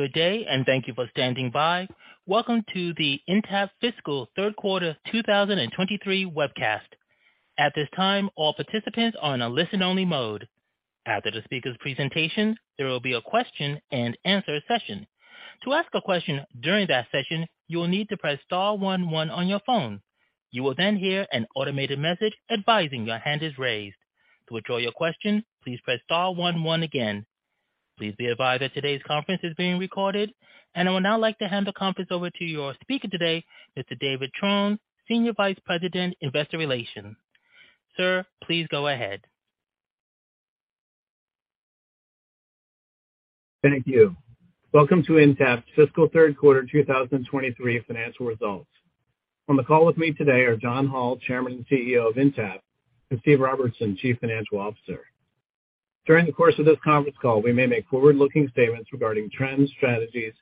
Good day. Thank you for standing by. Welcome to the Intapp fiscal third quarter 2023 webcast. At this time, all participants are in a listen-only mode. After the speaker's presentation, there will be a question-and-answer session. To ask a question during that session, you will need to press star one one on your phone. You will hear an automated message advising your hand is raised. To withdraw your question, please press star one one again. Please be advised that today's conference is being recorded. I would now like to hand the conference over to your speaker today, Mr. David Trone, Senior Vice President, Investor Relations. Sir, please go ahead. Thank you. Welcome to Intapp's fiscal third quarter 2023 financial results. On the call with me today are John Hall, Chairman and CEO of Intapp, and Steve Robertson, Chief Financial Officer. During the course of this conference call, we may make forward-looking statements regarding trends, strategies,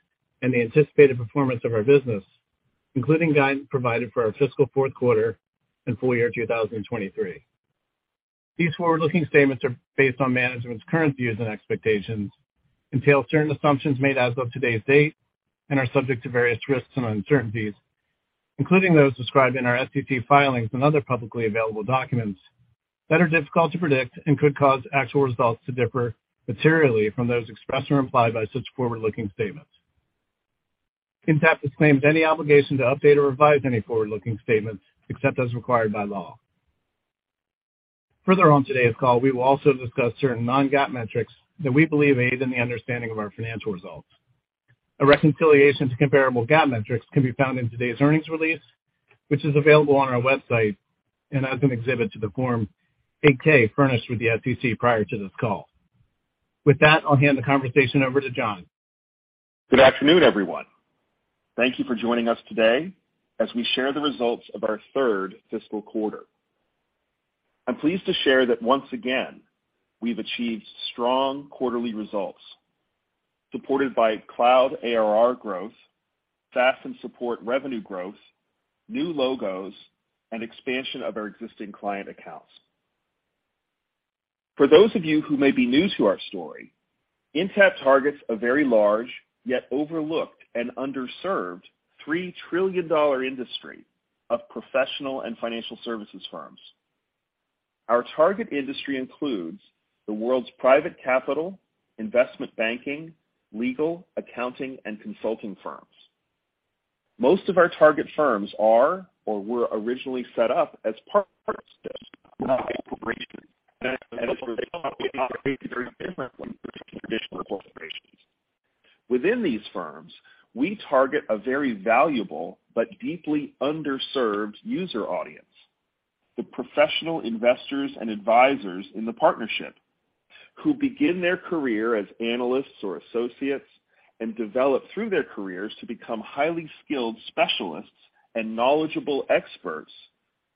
and the anticipated performance of our business, including guidance provided for our fiscal fourth quarter and full year 2023. These forward-looking statements are based on management's current views and expectations, entail certain assumptions made as of today's date, and are subject to various risks and uncertainties, including those described in our SEC filings and other publicly available documents that are difficult to predict and could cause actual results to differ materially from those expressed or implied by such forward-looking statements. Intapp disclaims any obligation to update or revise any forward-looking statements except as required by law. Further on today's call, we will also discuss certain non-GAAP metrics that we believe aid in the understanding of our financial results. A reconciliation to comparable GAAP metrics can be found in today's earnings release, which is available on our website and as an exhibit to the Form 8-K furnished with the SEC prior to this call. With that, I'll hand the conversation over to John. Good afternoon, everyone. Thank you for joining us today as we share the results of our third fiscal quarter. I'm pleased to share that once again, we've achieved strong quarterly results supported by Cloud ARR growth, SaaS and support revenue growth, new logos, and expansion of our existing client accounts. For those of you who may be new to our story, Intapp targets a very large yet overlooked and underserved $3 trillion industry of professional and financial services firms. Our target industry includes the world's private capital, investment banking, legal, accounting, and consulting firms. Most of our target firms are or were originally set up as partnerships, not corporations, and as a result, they operate very differently from traditional corporations. Within these firms, we target a very valuable but deeply underserved user audience, the professional investors and advisors in the partnership, who begin their career as analysts or associates and develop through their careers to become highly skilled specialists and knowledgeable experts,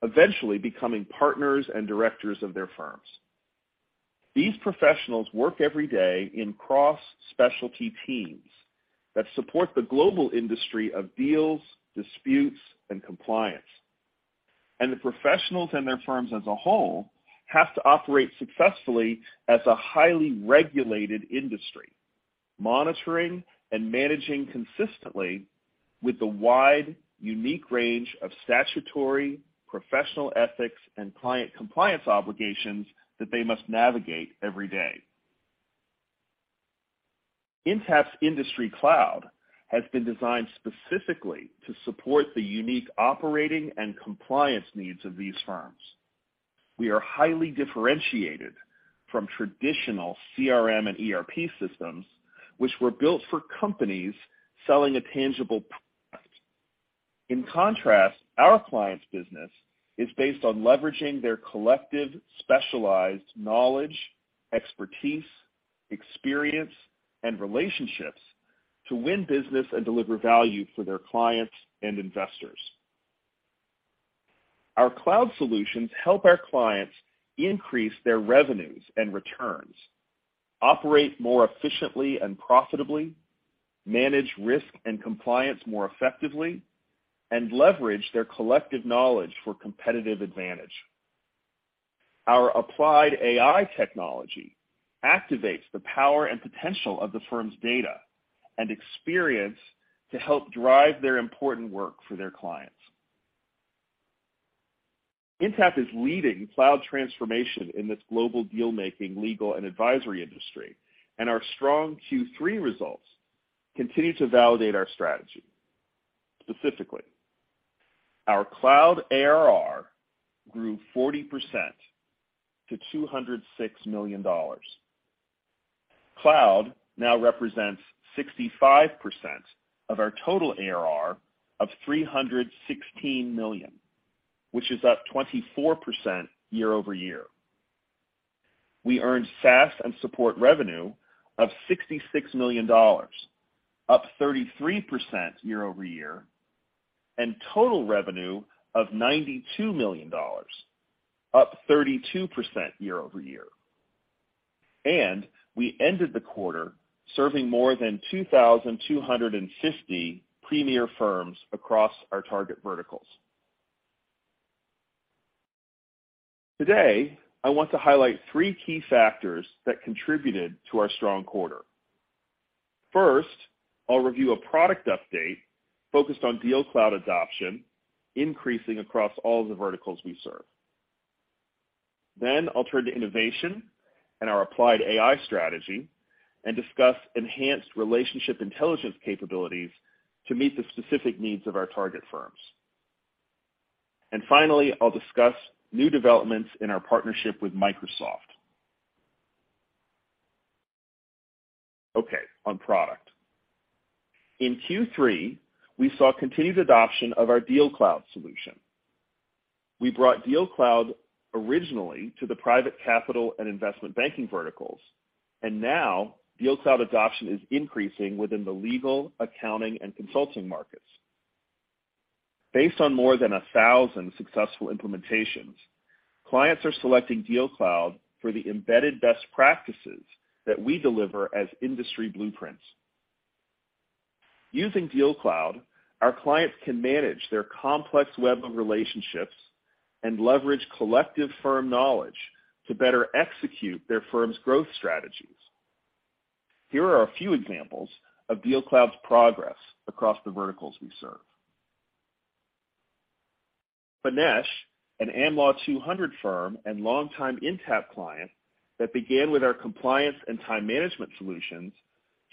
eventually becoming partners and directors of their firms. These professionals work every day in cross-specialty teams that support the global industry of deals, disputes, and compliance. The professionals and their firms as a whole have to operate successfully as a highly regulated industry, monitoring and managing consistently with the wide, unique range of statutory, professional ethics, and client compliance obligations that they must navigate every day. Intapp's industry cloud has been designed specifically to support the unique operating and compliance needs of these firms. We are highly differentiated from traditional CRM and ERP systems, which were built for companies selling a tangible product. In contrast, our clients' business is based on leveraging their collective specialized knowledge, expertise, experience, and relationships to win business and deliver value for their clients and investors. Our cloud solutions help our clients increase their revenues and returns, operate more efficiently and profitably, manage risk and compliance more effectively, and leverage their collective knowledge for competitive advantage. Our applied AI technology activates the power and potential of the firm's data and experience to help drive their important work for their clients. Intapp is leading cloud transformation in this global deal-making, legal, and advisory industry, and our strong Q3 results continue to validate our strategy. Specifically, our cloud ARR grew 40% to $206 million. Cloud now represents 65% of our total ARR of $316 million, which is up 24% year-over-year. We earned SaaS and support revenue of $66 million, up 33% year-over-year, total revenue of $92 million, up 32% year-over-year. We ended the quarter serving more than 2,250 premier firms across our target verticals. Today, I want to highlight three key factors that contributed to our strong quarter. First, I'll review a product update focused on DealCloud adoption, increasing across all the verticals we serve. I'll turn to innovation and our applied AI strategy and discuss enhanced relationship intelligence capabilities to meet the specific needs of our target firms. Finally, I'll discuss new developments in our partnership with Microsoft. Okay, on product. In Q3, we saw continued adoption of our DealCloud solution. We brought DealCloud originally to the private capital and investment banking verticals. Now DealCloud adoption is increasing within the legal, accounting, and consulting markets. Based on more than 1,000 successful implementations, clients are selecting DealCloud for the embedded best practices that we deliver as industry blueprints. Using DealCloud, our clients can manage their complex web of relationships and leverage collective firm knowledge to better execute their firm's growth strategies. Here are a few examples of DealCloud's progress across the verticals we serve. Benesch, an Am Law 200 firm and longtime Intapp client that began with our compliance and time management solutions,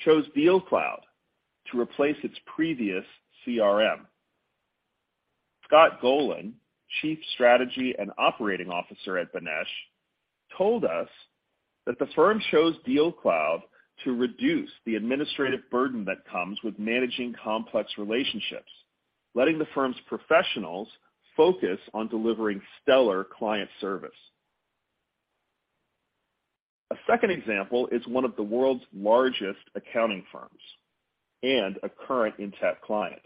chose DealCloud to replace its previous CRM. Scott Golin, Chief Strategy and Operating Officer at Benesch, told us that the firm chose DealCloud to reduce the administrative burden that comes with managing complex relationships, letting the firm's professionals focus on delivering stellar client service. A second example is one of the world's largest accounting firms and a current Intapp client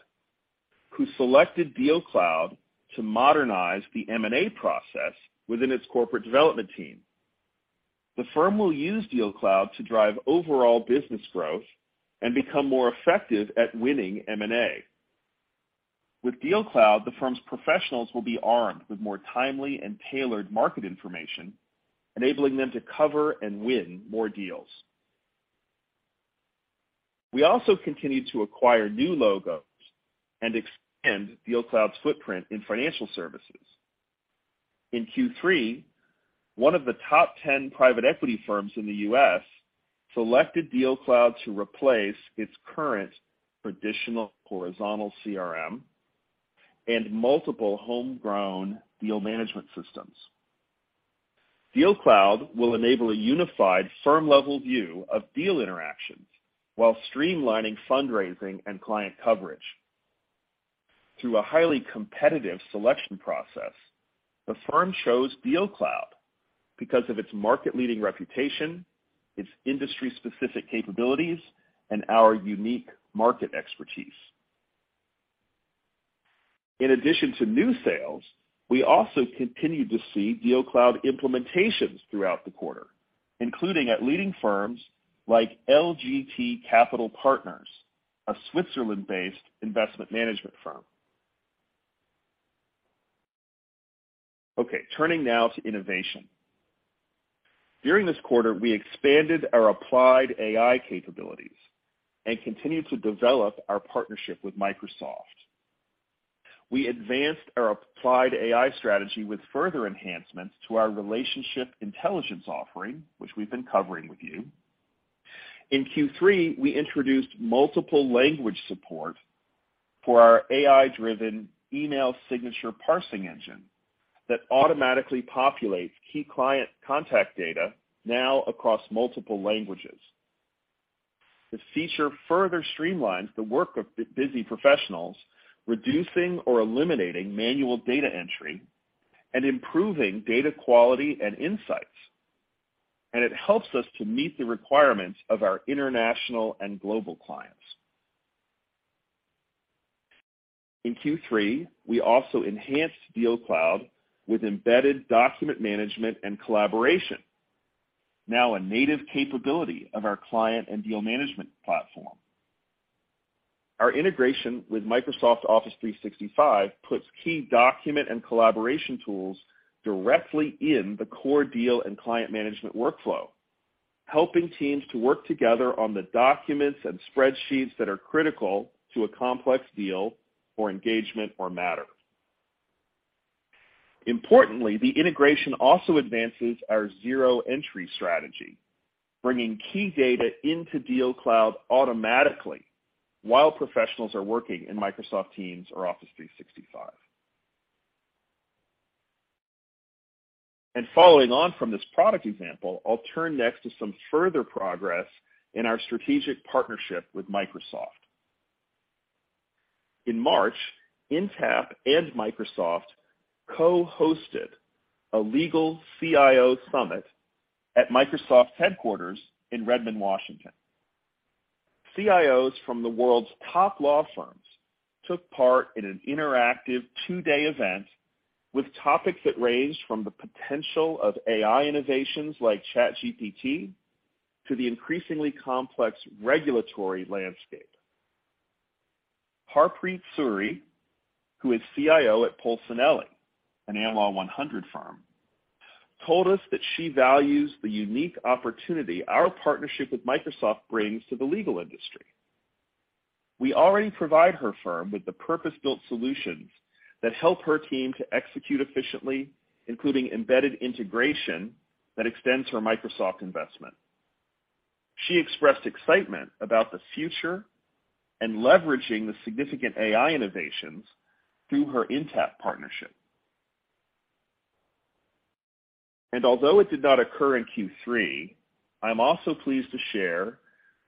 who selected DealCloud to modernize the M&A process within its corporate development team. The firm will use DealCloud to drive overall business growth and become more effective at winning M&A. With DealCloud, the firm's professionals will be armed with more timely and tailored market information, enabling them to cover and win more deals. We also continued to acquire new logos and expand DealCloud's footprint in financial services. In Q3, 1 of the top 10 private equity firms in the U.S. selected DealCloud to replace its current traditional horizontal CRM and multiple homegrown deal management systems. DealCloud will enable a unified firm-level view of deal interactions while streamlining fundraising and client coverage. Through a highly competitive selection process, the firm chose DealCloud because of its market-leading reputation, its industry-specific capabilities, and our unique market expertise. In addition to new sales, we also continued to see DealCloud implementations throughout the quarter, including at leading firms like LGT Capital Partners, a Switzerland-based investment management firm. Turning now to innovation. During this quarter, we expanded our applied AI capabilities and continued to develop our partnership with Microsoft. We advanced our applied AI strategy with further enhancements to our relationship intelligence offering, which we've been covering with you. In Q3, we introduced multiple language support for our AI-driven email signature parsing engine that automatically populates key client contact data now across multiple languages. This feature further streamlines the work of busy professionals, reducing or eliminating manual data entry and improving data quality and insights. It helps us to meet the requirements of our international and global clients. In Q3, we also enhanced DealCloud with embedded document management and collaboration, now a native capability of our client and deal management platform. Our integration with Microsoft 365 puts key document and collaboration tools directly in the core deal and client management workflow, helping teams to work together on the documents and spreadsheets that are critical to a complex deal or engagement or matter. Importantly, the integration also advances our zero entry strategy, bringing key data into DealCloud automatically while professionals are working in Microsoft Teams or Office 365. Following on from this product example, I'll turn next to some further progress in our strategic partnership with Microsoft. In March, Intapp and Microsoft co-hosted a legal CIO summit at Microsoft's headquarters in Redmond, Washington. CIOs from the world's top law firms took part in an interactive two-day event with topics that ranged from the potential of AI innovations like ChatGPT to the increasingly complex regulatory landscape. Harpreet Suri, who is CIO at Polsinelli, an Am Law 100 firm, told us that she values the unique opportunity our partnership with Microsoft brings to the legal industry. We already provide her firm with the purpose-built solutions that help her team to execute efficiently, including embedded integration that extends her Microsoft investment. She expressed excitement about the future and leveraging the significant AI innovations through her Intapp partnership. Although it did not occur in Q3, I'm also pleased to share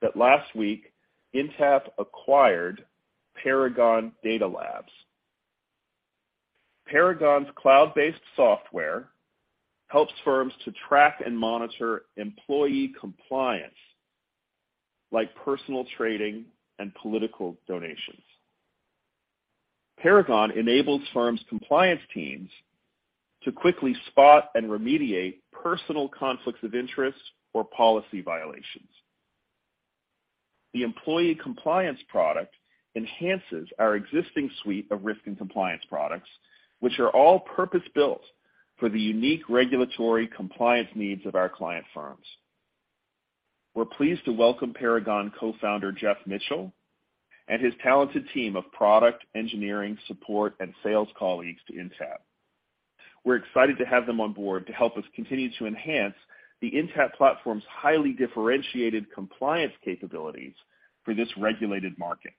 that last week, Intapp acquired Paragon Data Labs. Paragon's cloud-based software helps firms to track and monitor employee compliance, like personal trading and political donations. Paragon enables firms' compliance teams to quickly spot and remediate personal conflicts of interest or policy violations. The employee compliance product enhances our existing suite of risk and compliance products, which are all purpose-built for the unique regulatory compliance needs of our client firms. We're pleased to welcome Paragon co-founder Jeff Mitchell and his talented team of product, engineering, support, and sales colleagues to Intapp. We're excited to have them on board to help us continue to enhance the Intapp platform's highly differentiated compliance capabilities for this regulated market.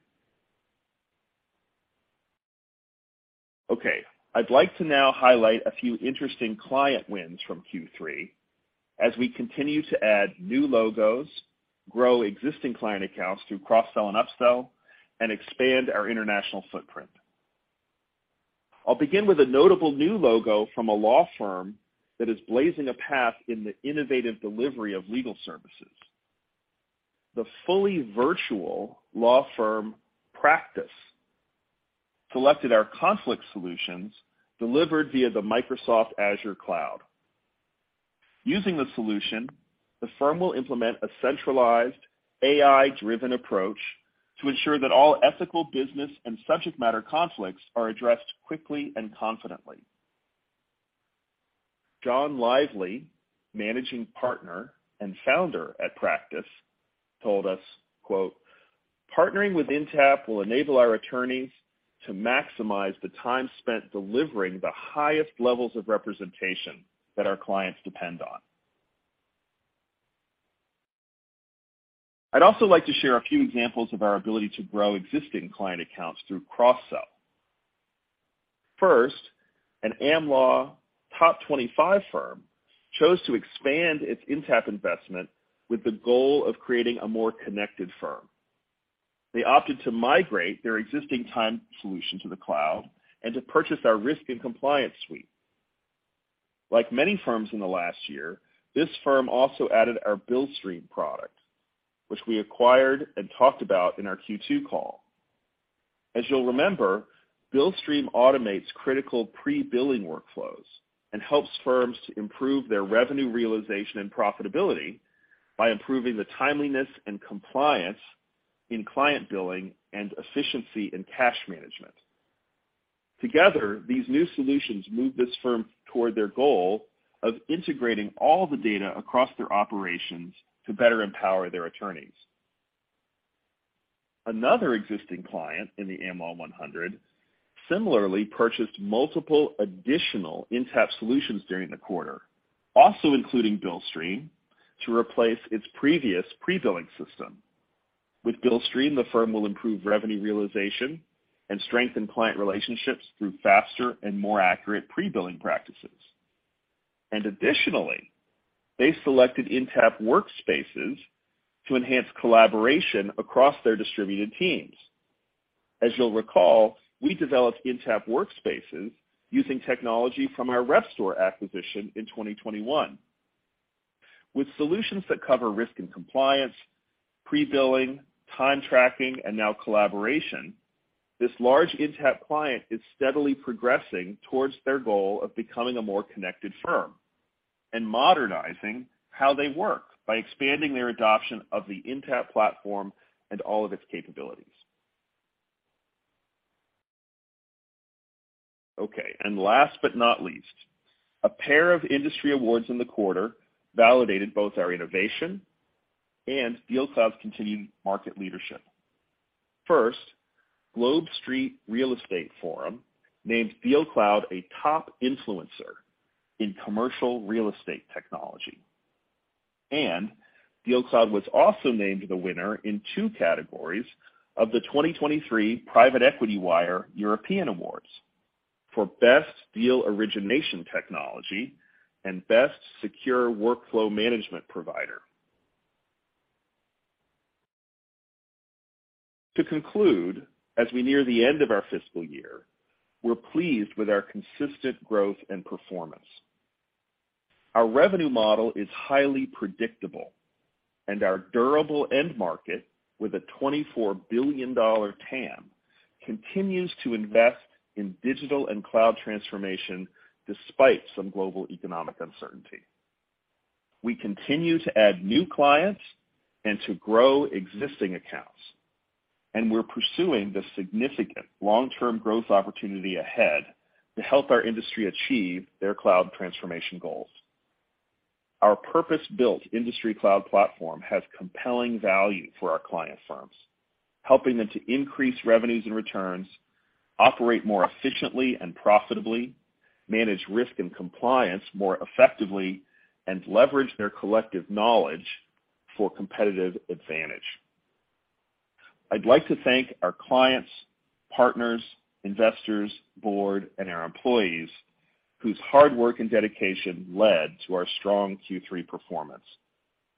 I'd like to now highlight a few interesting client wins from Q3 as we continue to add new logos, grow existing client accounts through cross-sell and up-sell, and expand our international footprint. I'll begin with a notable new logo from a law firm that is blazing a path in the innovative delivery of legal services. The fully virtual law firm Practus selected our conflict solutions delivered via the Microsoft Azure cloud. Using the solution, the firm will implement a centralized AI-driven approach to ensure that all ethical business and subject matter conflicts are addressed quickly and confidently. John Lively, managing partner and founder at Practus, told us, quote, "Partnering with Intapp will enable our attorneys to maximize the time spent delivering the highest levels of representation that our clients depend on." I'd also like to share a few examples of our ability to grow existing client accounts through cross-sell. An Am Law top 25 firm chose to expand its Intapp investment with the goal of creating a more connected firm. They opted to migrate their existing time solution to the cloud and to purchase our risk and compliance suite. Like many firms in the last year, this firm also added our Billstream product, which we acquired and talked about in our Q2 call. As you'll remember, Billstream automates critical pre-billing workflows and helps firms to improve their revenue realization and profitability by improving the timeliness and compliance in client billing and efficiency in cash management. Together, these new solutions move this firm toward their goal of integrating all the data across their operations to better empower their attorneys. Another existing client in the Am Law 100 similarly purchased multiple additional Intapp solutions during the quarter, also including Billstream, to replace its previous pre-billing system. With Billstream, the firm will improve revenue realization and strengthen client relationships through faster and more accurate pre-billing practices. Additionally, they selected Intapp Workspaces to enhance collaboration across their distributed teams. As you'll recall, we developed Intapp Workspaces using technology from our Repstor acquisition in 2021. With solutions that cover risk and compliance, pre-billing, time tracking, and now collaboration, this large Intapp client is steadily progressing towards their goal of becoming a more connected firm and modernizing how they work by expanding their adoption of the Intapp platform and all of its capabilities. Last but not least, a pair of industry awards in the quarter validated both our innovation and DealCloud's continued market leadership. First, GlobeSt Real Estate Forum named DealCloud a top influencer in commercial real estate technology. DealCloud was also named the winner in two categories of the 2023 Private Equity Wire European Awards for best deal origination technology and best secure workflow management provider. To conclude, as we near the end of our fiscal year, we're pleased with our consistent growth and performance. Our revenue model is highly predictable, and our durable end market, with a $24 billion TAM, continues to invest in digital and cloud transformation despite some global economic uncertainty. We continue to add new clients and to grow existing accounts, and we're pursuing the significant long-term growth opportunity ahead to help our industry achieve their cloud transformation goals. Our purpose-built industry cloud platform has compelling value for our client firms, helping them to increase revenues and returns, operate more efficiently and profitably, manage risk and compliance more effectively, and leverage their collective knowledge for competitive advantage. I'd like to thank our clients, partners, investors, board, and our employees whose hard work and dedication led to our strong Q3 performance.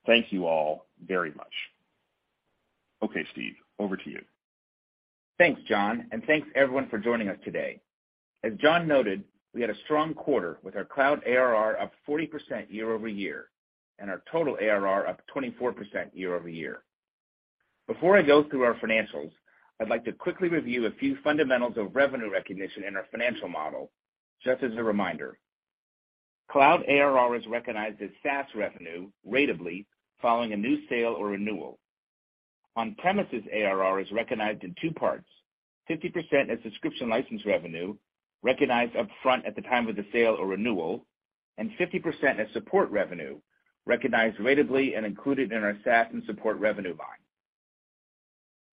Thank you all very much. Okay, Steve, over to you. Thanks, John, thanks everyone for joining us today. As John noted, we had a strong quarter with our Cloud ARR up 40% year-over-year, and our total ARR up 24% year-over-year. Before I go through our financials, I'd like to quickly review a few fundamentals of revenue recognition in our financial model, just as a reminder. Cloud ARR is recognized as SaaS revenue ratably following a new sale or renewal. On-premises ARR is recognized in two parts: 50% as subscription license revenue, recognized upfront at the time of the sale or renewal, and 50% as support revenue, recognized ratably and included in our SaaS and support revenue line.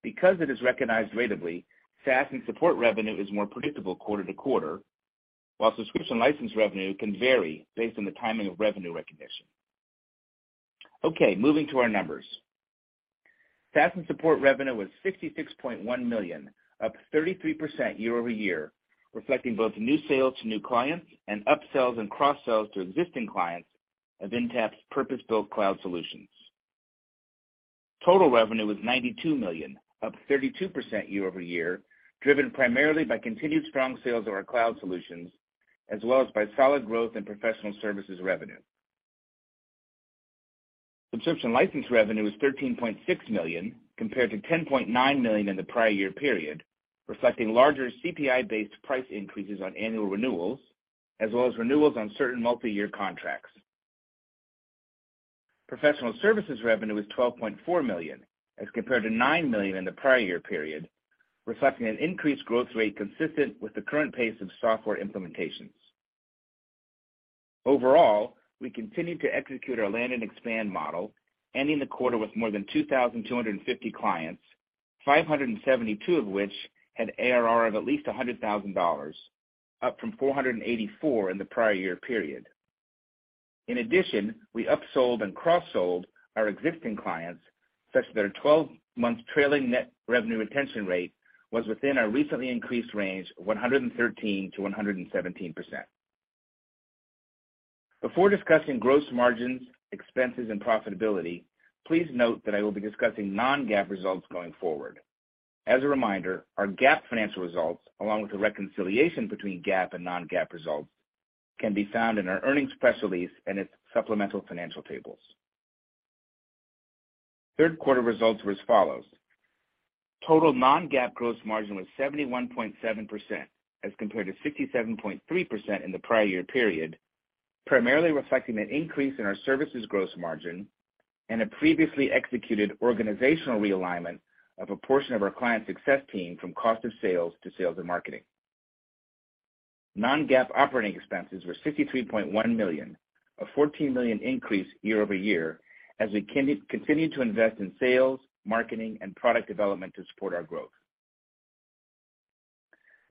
Because it is recognized ratably, SaaS and support revenue is more predictable quarter-to-quarter, while subscription license revenue can vary based on the timing of revenue recognition. Okay, moving to our numbers. SaaS and support revenue was $66.1 million, up 33% year-over-year, reflecting both new sales to new clients and upsells and cross-sells to existing clients of Intapp's purpose-built cloud solutions. Total revenue was $92 million, up 32% year-over-year, driven primarily by continued strong sales of our cloud solutions, as well as by solid growth in professional services revenue. Subscription license revenue was $13.6 million compared to $10.9 million in the prior year period, reflecting larger CPI-based price increases on annual renewals, as well as renewals on certain multi-year contracts. Professional services revenue was $12.4 million as compared to $9 million in the prior year period, reflecting an increased growth rate consistent with the current pace of software implementations. Overall, we continued to execute our land and expand model, ending the quarter with more than 2,250 clients, 572 of which had ARR of at least $100,000, up from 484 in the prior year period. In addition, we upsold and cross-sold our existing clients such that our 12-month trailing net revenue retention rate was within our recently increased range, 113%-117%. Before discussing gross margins, expenses, and profitability, please note that I will be discussing non-GAAP results going forward. As a reminder, our GAAP financial results, along with the reconciliation between GAAP and non-GAAP results, can be found in our earnings press release and its supplemental financial tables. Third quarter results were as follows. Total non-GAAP gross margin was 71.7% as compared to 67.3% in the prior year period, primarily reflecting an increase in our services gross margin and a previously executed organizational realignment of a portion of our client success team from cost of sales to sales and marketing. Non-GAAP operating expenses were $63.1 million, a $14 million increase year-over-year as we continued to invest in sales, marketing, and product development to support our growth.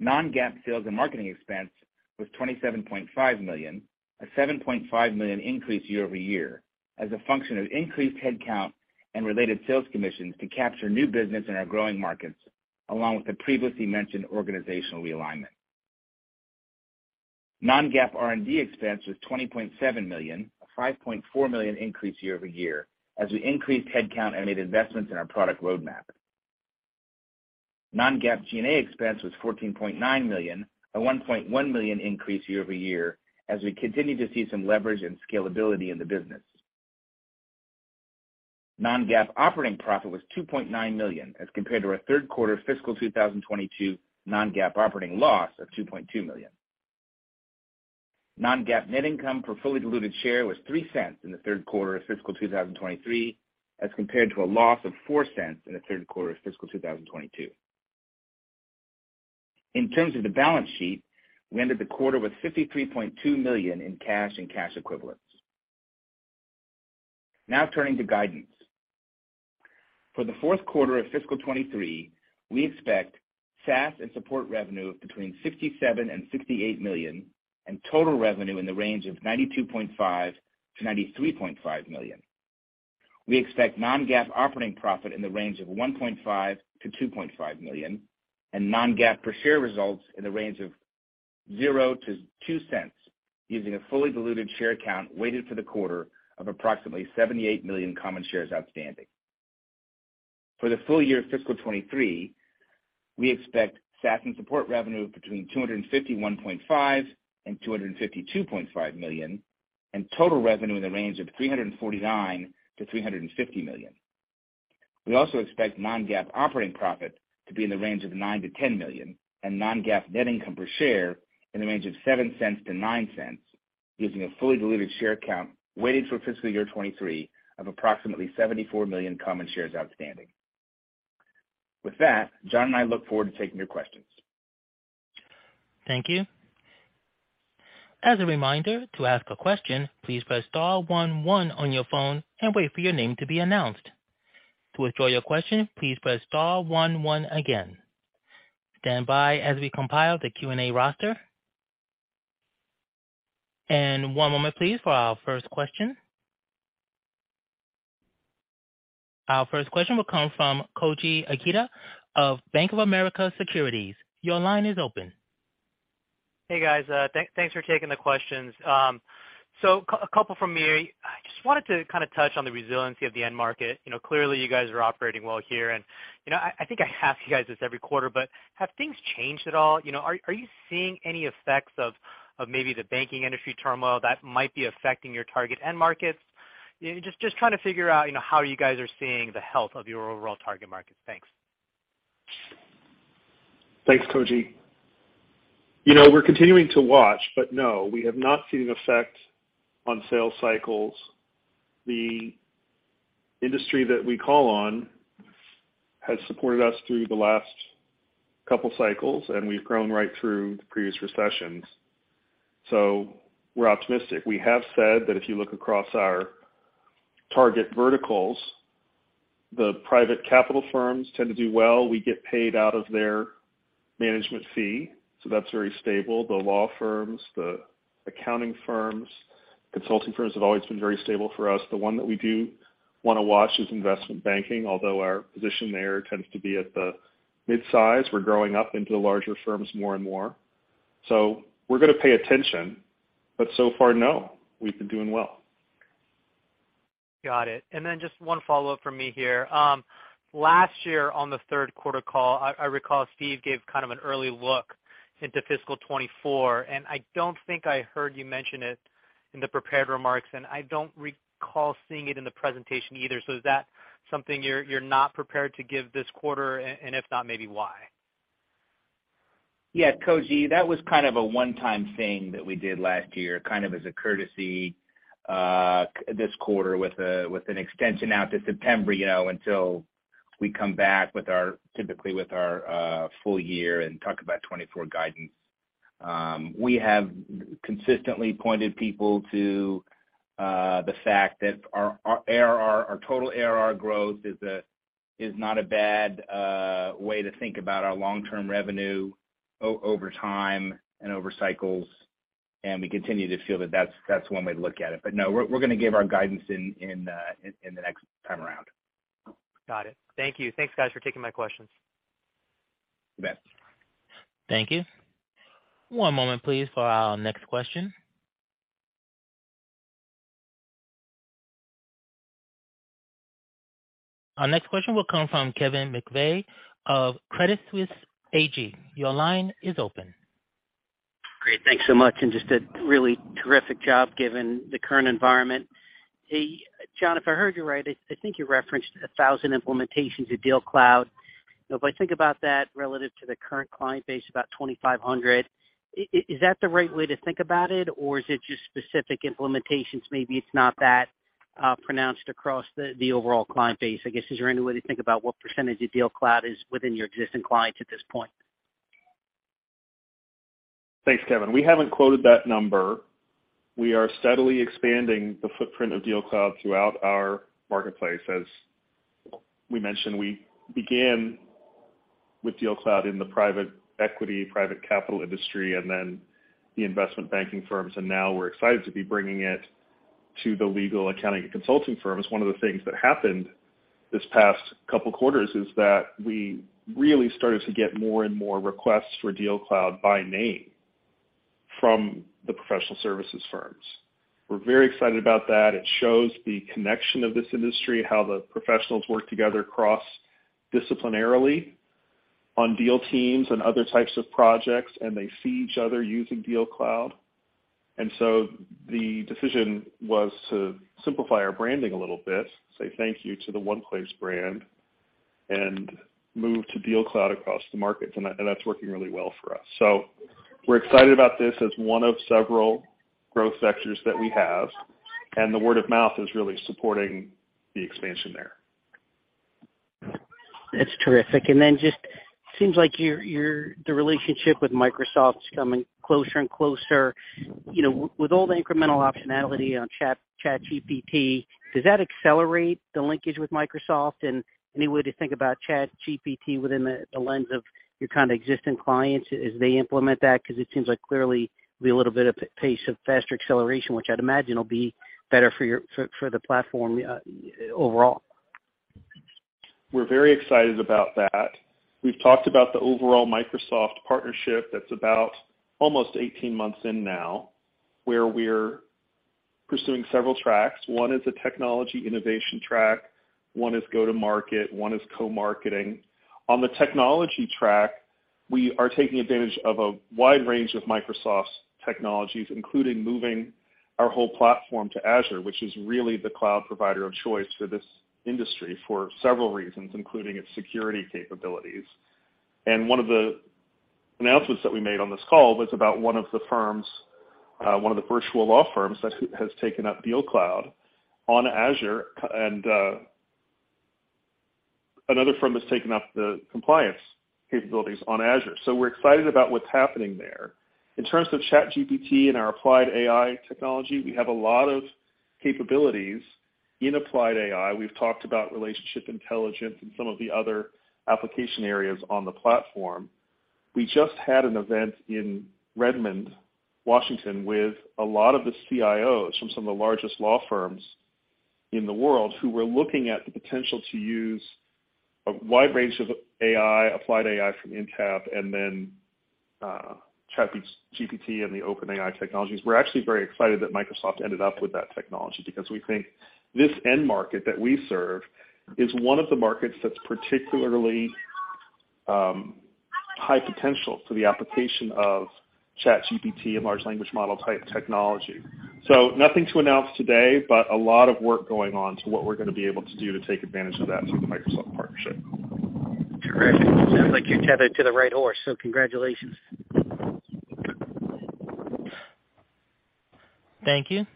Non-GAAP sales and marketing expense was $27.5 million, a $7.5 million increase year-over-year as a function of increased headcount and related sales commissions to capture new business in our growing markets, along with the previously mentioned organizational realignment. non-GAAP R&D expense was $20.7 million, a $5.4 million increase year-over-year as we increased headcount and made investments in our product roadmap. non-GAAP G&A expense was $14.9 million, a $1.1 million increase year-over-year as we continue to see some leverage and scalability in the business. non-GAAP operating profit was $2.9 million as compared to our third quarter fiscal 2022 non-GAAP operating loss of $2.2 million. non-GAAP net income per fully diluted share was $0.03 in the third quarter of fiscal 2023 as compared to a loss of $0.04 in the third quarter of fiscal 2022. In terms of the balance sheet, we ended the quarter with $53.2 million in cash and cash equivalents. Turning to guidance. For the fourth quarter of fiscal 2023, we expect SaaS and support revenue of between $67 million and $68 million, and total revenue in the range of $92.5 million-$93.5 million. We expect non-GAAP operating profit in the range of $1.5 million-$2.5 million, and non-GAAP per share results in the range of $0.00-$0.02, using a fully diluted share count weighted for the quarter of approximately 78 million common shares outstanding. For the full year of fiscal 2023, we expect SaaS and support revenue between $251.5 million and $252.5 million, and total revenue in the range of $349 million-$350 million. We also expect non-GAAP operating profit to be in the range of $9 million-$10 million and non-GAAP net income per share in the range of $0.07-$0.09, using a fully diluted share count weighted for fiscal year 2023 of approximately 74 million common shares outstanding. With that, John and I look forward to taking your questions. Thank you. As a reminder, to ask a question, please press star one one on your phone and wait for your name to be announced. To withdraw your question, please press star one one again. Stand by as we compile the Q&A roster. One moment please for our first question. Our first question will come from Koji Ikeda of Bank of America Securities. Your line is open. Hey, guys. Thanks for taking the questions. A couple from me. I just wanted to kinda touch on the resiliency of the end market. You know, clearly you guys are operating well here. You know, I think I ask you guys this every quarter, but have things changed at all? You know, are you seeing any effects of maybe the banking industry turmoil that might be affecting your target end markets? Just trying to figure out, you know, how you guys are seeing the health of your overall target markets. Thanks. Thanks, Koji. You know, we're continuing to watch, but no, we have not seen an effect on sales cycles. The industry that we call on has supported us through the last couple cycles, and we've grown right through the previous recessions, so we're optimistic. We have said that if you look across our target verticals, the private capital firms tend to do well. We get paid out of their management fee, so that's very stable. The law firms, the accounting firms, consulting firms have always been very stable for us. The one that we do wanna watch is investment banking, although our position there tends to be at the midsize. We're growing up into the larger firms more and more. We're gonna pay attention, but so far, no, we've been doing well. Got it. Just one follow-up from me here. last year on the third quarter call, I recall Steve gave kind of an early look into fiscal 2024, and I don't think I heard you mention it in the prepared remarks, and I don't recall seeing it in the presentation either. Is that something you're not prepared to give this quarter? If not, maybe why? Yeah, Koji, that was kind of a one-time thing that we did last year, kind of as a courtesy, this quarter with an extension out to September, you know, until we come back with our typically with our full year and talk about 2024 guidance. We have consistently pointed people to the fact that our ARR, our total ARR growth is a, is not a bad way to think about our long-term revenue over time and over cycles, and we continue to feel that that's one way to look at it. No, we're gonna give our guidance in the next time around. Got it. Thank you. Thanks, guys, for taking my questions. You bet. Thank you. One moment, please, for our next question. Our next question will come from Kevin McVeigh of Credit Suisse AG. Your line is open. Great. Thanks so much, and just a really terrific job given the current environment. Hey, John, if I heard you right, I think you referenced 1,000 implementations of DealCloud. You know, if I think about that relative to the current client base, about 2,500, is that the right way to think about it, or is it just specific implementations? Maybe it's not that pronounced across the overall client base. I guess, is there any way to think about what % of DealCloud is within your existing clients at this point? Thanks, Kevin. We haven't quoted that number. We are steadily expanding the footprint of DealCloud throughout our marketplace. As we mentioned, we began with DealCloud in the private equity, private capital industry, and then the investment banking firms, and now we're excited to be bringing it to the legal, accounting, and consulting firms. One of the things that happened this past couple quarters is that we really started to get more and more requests for DealCloud by name from the professional services firms. We're very excited about that. It shows the connection of this industry, how the professionals work together cross-disciplinarily on deal teams and other types of projects, and they see each other using DealCloud. The decision was to simplify our branding a little bit, say thank you to the OnePlace brand, and move to DealCloud across the markets, that's working really well for us. We're excited about this as one of several growth vectors that we have, and the word of mouth is really supporting the expansion there. That's terrific. Just seems like your the relationship with Microsoft's coming closer and closer. You know, with all the incremental optionality on Chat, ChatGPT, does that accelerate the linkage with Microsoft? Any way to think about ChatGPT within the lens of your kind of existing clients as they implement that? 'Cause it seems like clearly be a little bit of pace of faster acceleration, which I'd imagine will be better for the platform overall. We're very excited about that. We've talked about the overall Microsoft partnership that's about almost 18 months in now, where we're pursuing several tracks. One is a technology innovation track, one is go-to-market, one is co-marketing. On the technology track, we are taking advantage of a wide range of Microsoft's technologies, including moving our whole platform to Azure, which is really the cloud provider of choice for this industry for several reasons, including its security capabilities. One of the announcements that we made on this call was about one of the firms, one of the virtual law firms that has taken up DealCloud on Azure. Another firm has taken up the compliance capabilities on Azure. We're excited about what's happening there. In terms of ChatGPT and our applied AI technology, we have a lot of capabilities in applied AI. We've talked about relationship intelligence and some of the other application areas on the platform. We just had an event in Redmond, Washington, with a lot of the CIOs from some of the largest law firms in the world who were looking at the potential to use a wide range of AI, applied AI from Intapp, and then ChatGPT and the OpenAI technologies. We're actually very excited that Microsoft ended up with that technology because we think this end market that we serve is one of the markets that's particularly high potential for the application of ChatGPT and large language model type technology. Nothing to announce today, but a lot of work going on to what we're gonna be able to do to take advantage of that through the Microsoft partnership. Terrific. Sounds like you're tethered to the right horse, so congratulations. Thank you.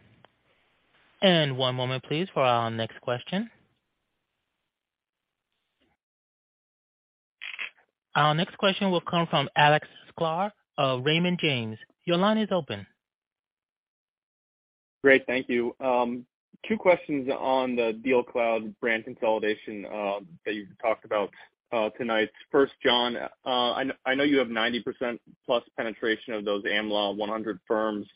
One moment please for our next question. Our next question will come from Alex Sklar of Raymond James. Your line is open. Great, thank you. Two questions on the DealCloud brand consolidation that you talked about tonight. First, John, I know you have 90%+ penetration of those Am Law 100 firms.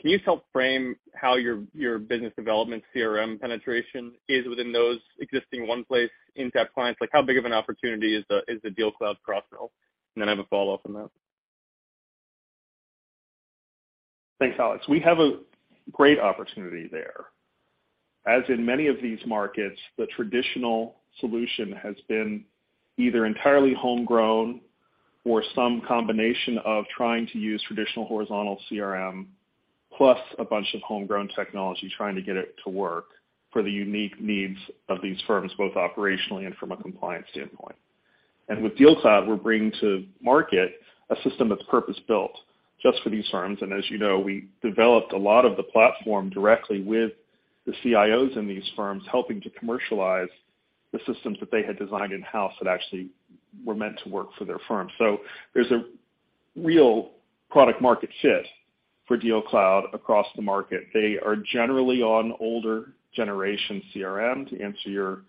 Can you help frame how your business development CRM penetration is within those existing OnePlace Intapp clients? Like, how big of an opportunity is the DealCloud cross-sell? I have a follow-up on that. Thanks, Alex. We have a great opportunity there. As in many of these markets, the traditional solution has been either entirely homegrown or some combination of trying to use traditional horizontal CRM plus a bunch of homegrown technology, trying to get it to work for the unique needs of these firms, both operationally and from a compliance standpoint. With DealCloud, we're bringing to market a system that's purpose-built just for these firms. As you know, we developed a lot of the platform directly with the CIOs in these firms, helping to commercialize the systems that they had designed in-house that actually were meant to work for their firms. There's a real product market fit for DealCloud across the market. They are generally on older generation CRM, to answer your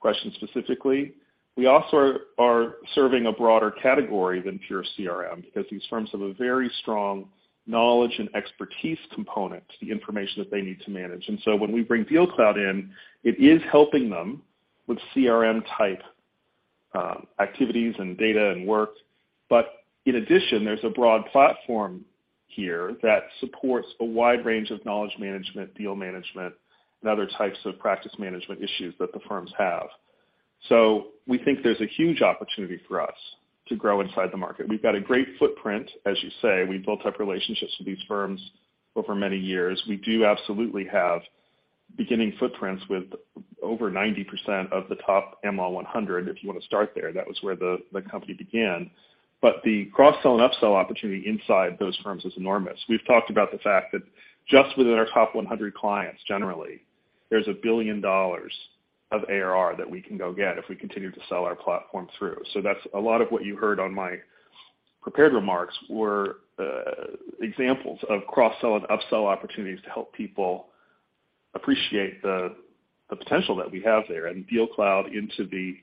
question specifically. We also are serving a broader category than pure CRM because these firms have a very strong knowledge and expertise component to the information that they need to manage. When we bring DealCloud in, it is helping them with CRM-type activities and data and work. In addition, there's a broad platform here that supports a wide range of knowledge management, deal management, and other types of practice management issues that the firms have. We think there's a huge opportunity for us to grow inside the market. We've got a great footprint, as you say. We built up relationships with these firms over many years. We do absolutely have beginning footprints with over 90% of the top Am Law 100, if you want to start there. That was where the company began. The cross-sell and upsell opportunity inside those firms is enormous. We've talked about the fact that just within our top 100 clients, generally, there's $1 billion of ARR that we can go get if we continue to sell our platform through. That's a lot of what you heard on my prepared remarks were examples of cross-sell and upsell opportunities to help people appreciate the potential that we have there. DealCloud into the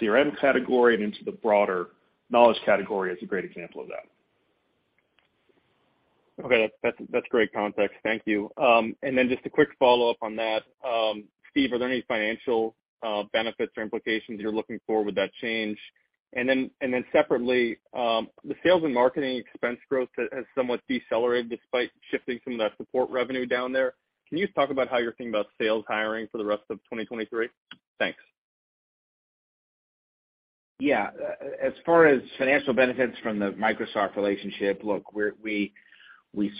CRM category and into the broader knowledge category is a great example of that. Okay. That's great context. Thank you. Just a quick follow-up on that. Steve, are there any financial benefits or implications you're looking for with that change? Separately, the sales and marketing expense growth has somewhat decelerated despite shifting some of that support revenue down there. Can you talk about how you're thinking about sales hiring for the rest of 2023? Thanks. Yeah. As far as financial benefits from the Microsoft relationship, look, we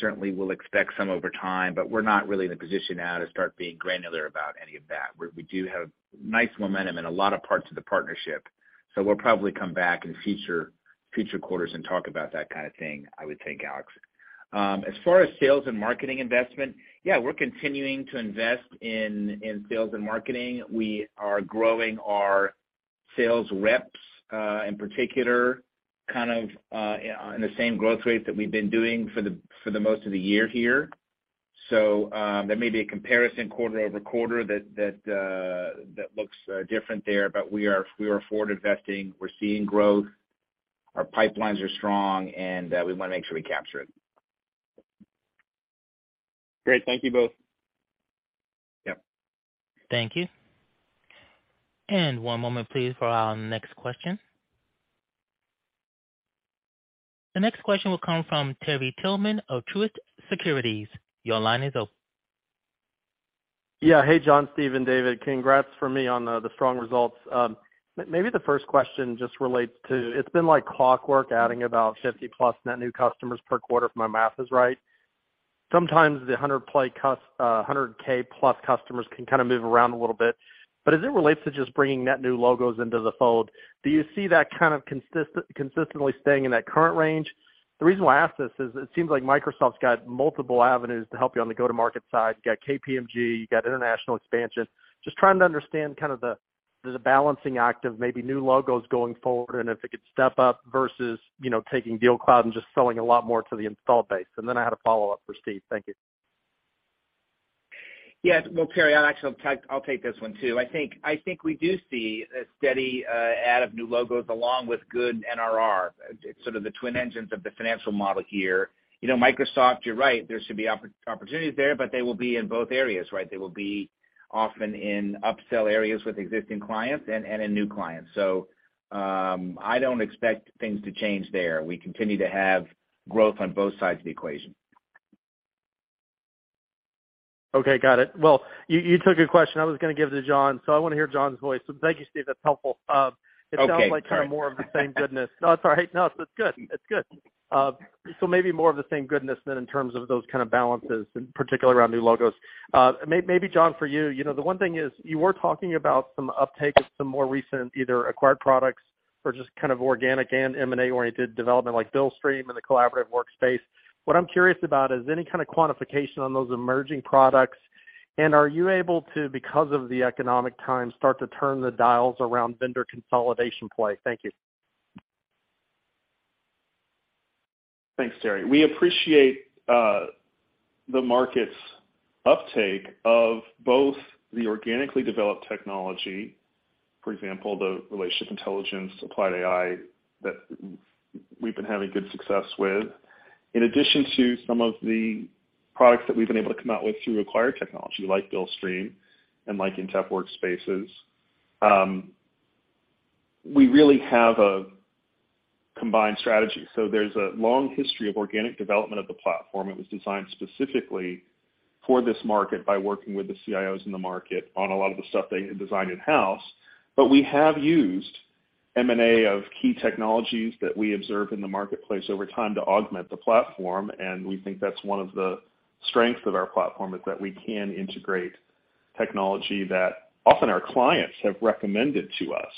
certainly will expect some over time, but we're not really in a position now to start being granular about any of that. We do have nice momentum in a lot of parts of the partnership, so we'll probably come back in future quarters and talk about that kind of thing, I would think, Alex. As far as sales and marketing investment, yeah, we're continuing to invest in sales and marketing. We are growing our sales reps, in particular, kind of, in the same growth rate that we've been doing for the most of the year here. There may be a comparison quarter-over-quarter that looks different there, but we are forward investing. We're seeing growth. Our pipelines are strong, and, we wanna make sure we capture it. Great. Thank you both. Yep. Thank you. One moment please for our next question. The next question will come from Terry Tillman of Truist Securities. Your line is open. Hey, John, Steve and David. Congrats from me on the strong results. maybe the first question just relates to. It's been like clockwork adding about 50+ net new customers per quarter, if my math is right. Sometimes the 100K+ customers can kind of move around a little bit. As it relates to just bringing net new logos into the fold, do you see that kind of consistently staying in that current range? The reason why I ask this is it seems like Microsoft's got multiple avenues to help you on the go-to-market side. You got KPMG, you got international expansion. Just trying to understand kind of the balancing act of maybe new logos going forward and if it could step up versus, you know, taking DealCloud and just selling a lot more to the install base. I had a follow-up for Steve. Thank you. Yes. Well, Terry, I'll actually take this one too. I think we do see a steady add of new logos along with good NRR. It's sort of the twin engines of the financial model here. You know, Microsoft, you're right, there should be opportunities there, but they will be in both areas, right? They will be often in upsell areas with existing clients and in new clients. I don't expect things to change there. We continue to have growth on both sides of the equation. Okay. Got it. You took a question I was gonna give to John, so I wanna hear John's voice. Thank you, Steve. That's helpful. Okay, sure. It sounds like kind of more of the same goodness. It's all right. It's good. It's good. Maybe more of the same goodness in terms of those kind of balances, and particularly around new logos. Maybe John, for you know, the one thing is you were talking about some uptake of some more recent either acquired products or just kind of organic and M&A-oriented development like BillStream and the collaborative workspace. What I'm curious about is any kind of quantification on those emerging products, and are you able to, because of the economic times, start to turn the dials around vendor consolidation play? Thank you. Thanks, Terry. We appreciate the market's uptake of both the organically developed technology, for example, the relationship intelligence, applied AI that we've been having good success with, in addition to some of the products that we've been able to come out with through acquired technology like Billstream and like Intapp Workspaces. We really have a combined strategy. There's a long history of organic development of the platform. It was designed specifically for this market by working with the CIOs in the market on a lot of the stuff they had designed in-house. We have used M&A of key technologies that we observe in the marketplace over time to augment the platform, and we think that's one of the strengths of our platform, is that we can integrate technology that often our clients have recommended to us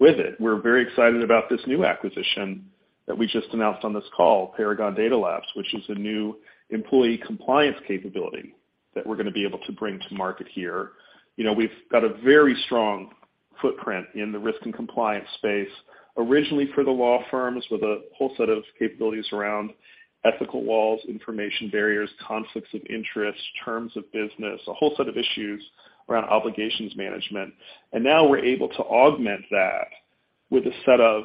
with it. We're very excited about this new acquisition that we just announced on this call, Paragon Data Labs, which is a new employee compliance capability that we're going to be able to bring to market here. You know, we've got a very strong footprint in the risk and compliance space, originally for the law firms with a whole set of capabilities around ethical walls, information barriers, conflicts of interest, terms of business, a whole set of issues around obligations management. Now we're able to augment that with a set of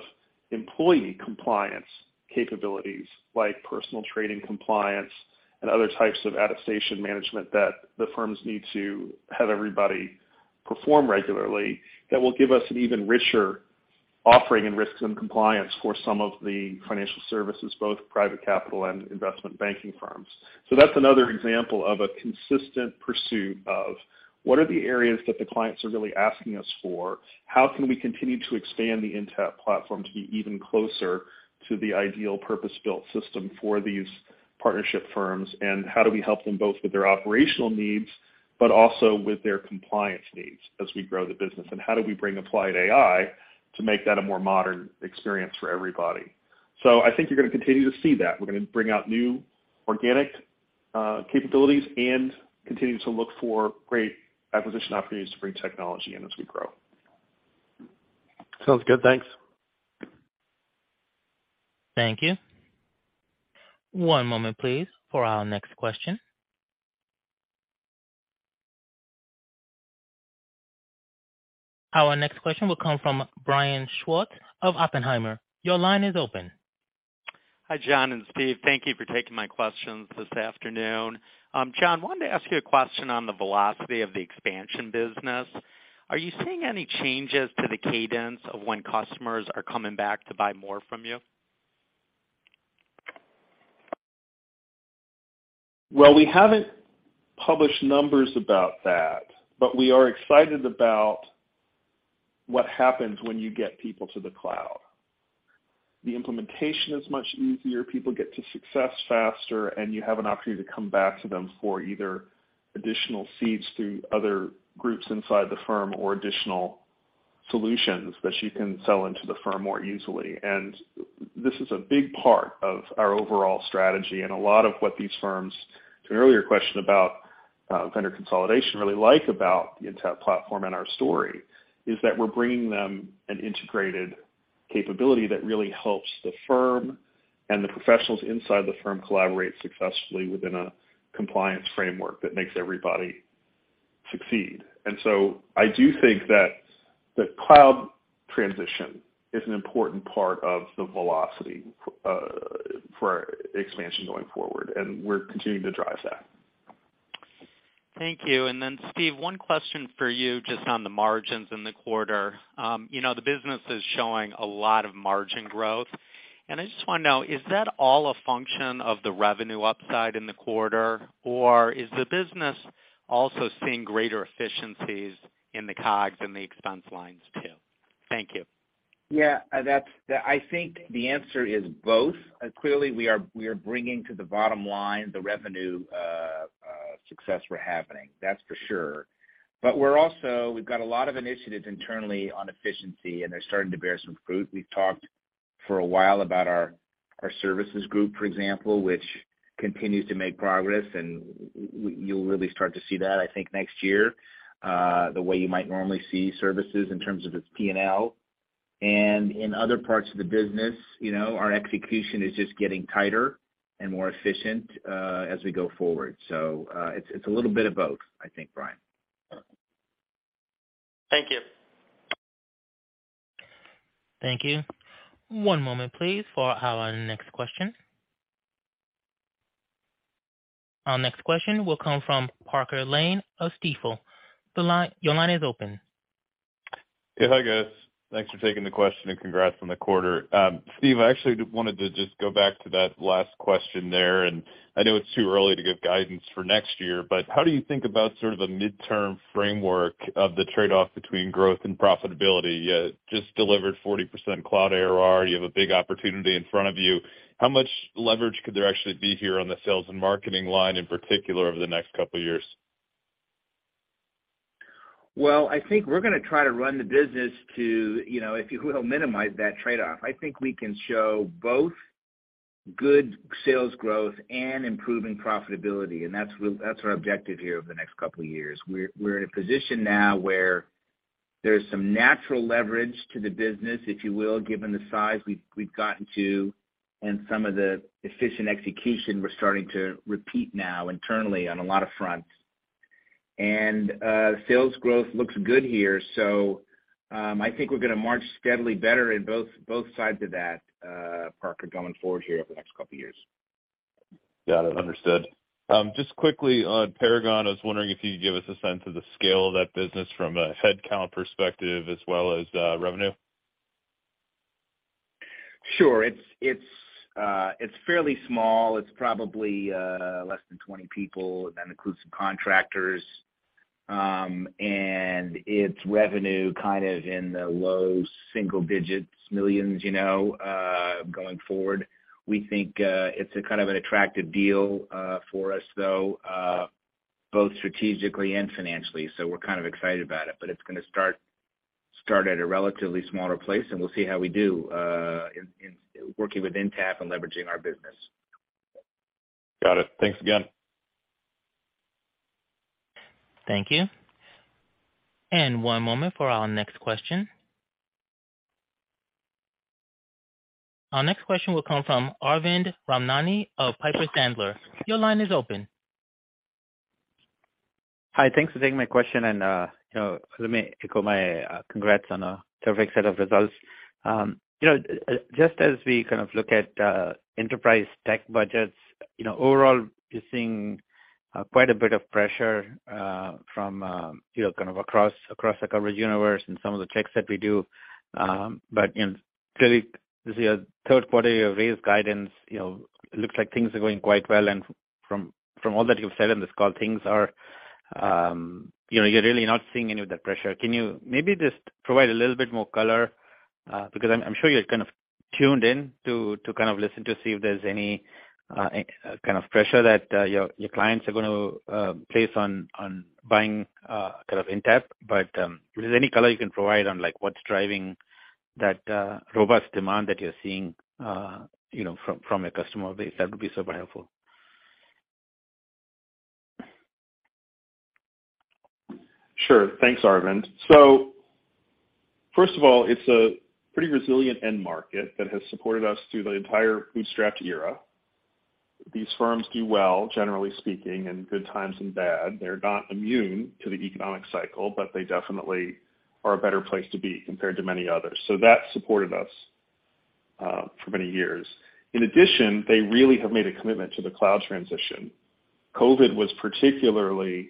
employee compliance capabilities like personal trading compliance and other types of attestation management that the firms need to have everybody perform regularly that will give us an even richer offering in risks and compliance for some of the financial services, both private capital and investment banking firms. That's another example of a consistent pursuit of what are the areas that the clients are really asking us for? How can we continue to expand the Intapp platform to be even closer to the ideal purpose-built system for these partnership firms? How do we help them both with their operational needs, but also with their compliance needs as we grow the business? How do we bring applied AI to make that a more modern experience for everybody? I think you're gonna continue to see that. We're gonna bring out new organic capabilities and continue to look for great acquisition opportunities to bring technology in as we grow. Sounds good. Thanks. Thank you. One moment, please, for our next question. Our next question will come from Brian Schwartz of Oppenheimer. Your line is open. Hi, John and Steve. Thank you for taking my questions this afternoon. John, wanted to ask you a question on the velocity of the expansion business. Are you seeing any changes to the cadence of when customers are coming back to buy more from you? We haven't published numbers about that, but we are excited about what happens when you get people to the cloud. The implementation is much easier. People get to success faster, and you have an opportunity to come back to them for either additional seats through other groups inside the firm or additional solutions that you can sell into the firm more easily. This is a big part of our overall strategy. A lot of what these firms, to an earlier question about vendor consolidation, really like about the Intapp platform and our story is that we're bringing them an integrated capability that really helps the firm and the professionals inside the firm collaborate successfully within a compliance framework that makes everybody succeed. I do think that the cloud transition is an important part of the velocity for expansion going forward, and we're continuing to drive that. Thank you. Steve, one question for you just on the margins in the quarter. You know, the business is showing a lot of margin growth, I just wanna know, is that all a function of the revenue upside in the quarter, or is the business also seeing greater efficiencies in the COGS and the expense lines too? Thank you. That's I think the answer is both. Clearly, we are bringing to the bottom line the revenue success we're happening, that's for sure. We're also we've got a lot of initiatives internally on efficiency, and they're starting to bear some fruit. We've talked for a while about our services group, for example, which continues to make progress, and you'll really start to see that, I think, next year, the way you might normally see services in terms of its P&L. In other parts of the business, you know, our execution is just getting tighter and more efficient as we go forward. It's a little bit of both, I think, Brian. Thank you. Thank you. One moment please for our next question. Our next question will come from Parker Lane of Stifel. Your line is open. Yeah. Hi, guys. Thanks for taking the question, and congrats on the quarter. Steve, I actually wanted to just go back to that last question there. I know it's too early to give guidance for next year, but how do you think about sort of a midterm framework of the trade-off between growth and profitability? You just delivered 40% Cloud ARR. You have a big opportunity in front of you. How much leverage could there actually be here on the sales and marketing line, in particular, over the next couple of years? Well, I think we're gonna try to run the business to, you know, if you will, minimize that trade-off. I think we can show both good sales growth and improving profitability, and that's our objective here over the next couple of years. We're in a position now where there's some natural leverage to the business, if you will, given the size we've gotten to and some of the efficient execution we're starting to repeat now internally on a lot of fronts. Sales growth looks good here, so I think we're gonna march steadily better in both sides of that, Parker, going forward here over the next couple of years. Got it. Understood. Just quickly on Paragon, I was wondering if you could give us a sense of the scale of that business from a headcount perspective as well as revenue? Sure. It's fairly small. It's probably less than 20 people. That includes some contractors. It's revenue kind of in the low single-digit millions, you know, going forward. We think it's a kind of an attractive deal for us, though, both strategically and financially, we're kind of excited about it. It's gonna start at a relatively smaller place, and we'll see how we do in working with Intapp and leveraging our business. Got it. Thanks again. Thank you. One moment for our next question. Our next question will come from Arvind Ramnani of Piper Sandler. Your line is open. Hi. Thanks for taking my question. You know, let me echo my congrats on a terrific set of results. You know, just as we kind of look at enterprise tech budgets, you know, overall, you're seeing quite a bit of pressure from, you know, kind of across the coverage universe and some of the checks that we do. In clearly, this is your third quarter, you have raised guidance, you know, looks like things are going quite well. From all that you've said on this call, things are, you know, you're really not seeing any of that pressure. Can you maybe just provide a little bit more color? I'm sure you're kind of tuned in to kind of listen to see if there's any kind of pressure that your clients are gonna place on buying kind of Intapp. If there's any color you can provide on, like, what's driving that robust demand that you're seeing, you know, from a customer base, that would be super helpful. Thanks, Arvind. First of all, it's a pretty resilient end market that has supported us through the entire bootstrapped era. These firms do well, generally speaking, in good times and bad. They're not immune to the economic cycle, they definitely are a better place to be compared to many others. That supported us for many years. In addition, they really have made a commitment to the cloud transition. COVID was particularly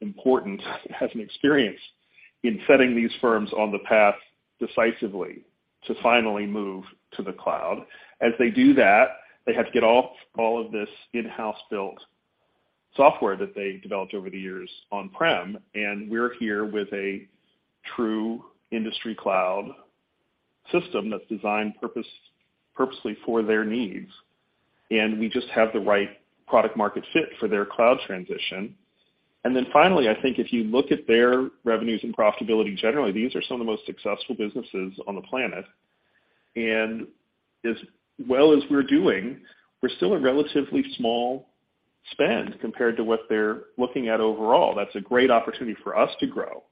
important as an experience in setting these firms on the path decisively to finally move to the cloud. As they do that, they have to get off all of this in-house built software that they developed over the years on-prem, and we're here with a true industry cloud system that's designed purposely for their needs, and we just have the right product market fit for their cloud transition. Finally, I think if you look at their revenues and profitability, generally, these are some of the most successful businesses on the planet. As well as we're doing, we're still a relatively small spend compared to what they're looking at overall. That's a great opportunity for us to grow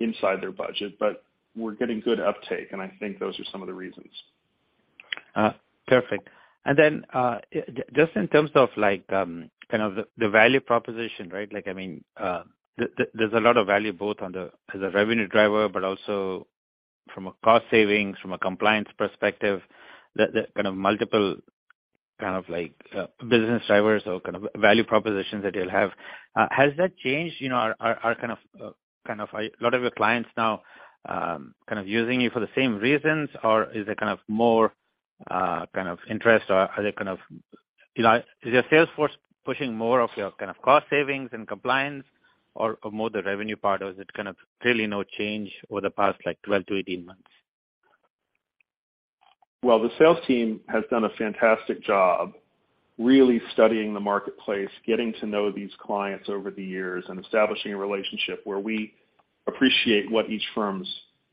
inside their budget, but we're getting good uptake, and I think those are some of the reasons. Perfect. Just in terms of like, kind of the value proposition, right? I mean, there's a lot of value both on the, as a revenue driver, but also from a cost savings, from a compliance perspective, the kind of multiple kind of like, business drivers or kind of value propositions that you'll have. Has that changed? You know, are, kind of, kind of a lot of your clients now, kind of using you for the same reasons or is it kind of more-kind of interest? You know, is your sales force pushing more of your kind of cost savings and compliance or more the revenue part? Or is it kind of really no change over the past, like, 12 to 18 months? The sales team has done a fantastic job really studying the marketplace, getting to know these clients over the years, and establishing a relationship where we appreciate what each firm's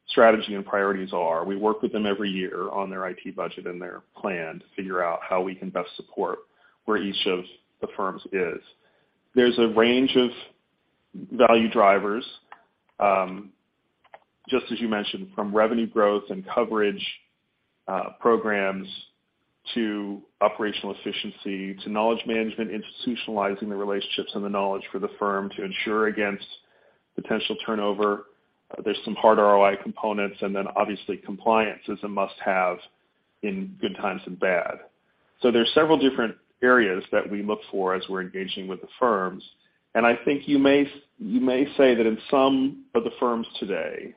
strategy and priorities are. We work with them every year on their IT budget and their plan to figure out how we can best support where each of the firms is. There's a range of value drivers, just as you mentioned, from revenue growth and coverage programs to operational efficiency to knowledge management, institutionalizing the relationships and the knowledge for the firm to insure against potential turnover. There's some hard ROI components. Obviously compliance is a must-have in good times and bad. There's several different areas that we look for as we're engaging with the firms, and I think you may say that in some of the firms today,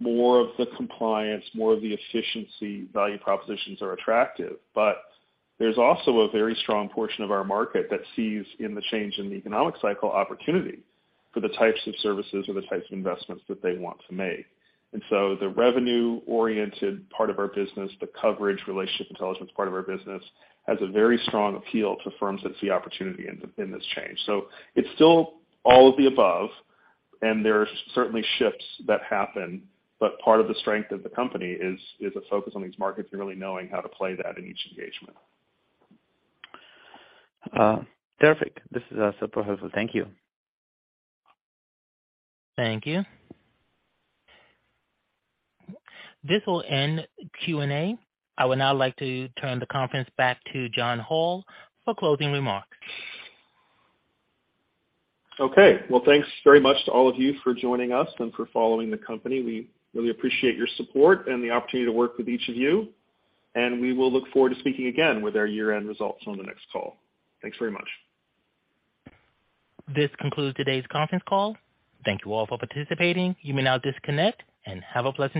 more of the compliance, more of the efficiency value propositions are attractive. There's also a very strong portion of our market that sees in the change in the economic cycle opportunity for the types of services or the types of investments that they want to make. The revenue-oriented part of our business, the coverage relationship intelligence part of our business, has a very strong appeal to firms that see opportunity in this change. It's still all of the above, and there are certainly shifts that happen, but part of the strength of the company is a focus on these markets and really knowing how to play that in each engagement. Terrific. This is super helpful. Thank you. Thank you. This will end Q&A. I would now like to turn the conference back to John Hall for closing remarks. Okay. Well, thanks very much to all of you for joining us and for following the company. We really appreciate your support and the opportunity to work with each of you. We will look forward to speaking again with our year-end results on the next call. Thanks very much. This concludes today's conference call. Thank you all for participating. You may now disconnect and have a blessed day.